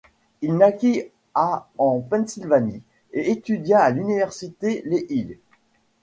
Il naquit à en Pennsylvanie et étudia à l'université Lehigh.